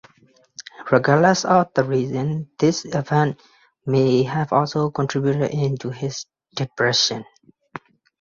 Regardless of the reasons, this event may have also contributed to his depression.